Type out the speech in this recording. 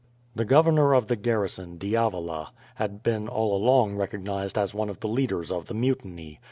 The governor of the garrison, D'Avila, had been all along recognized as one of the leaders of the mutiny.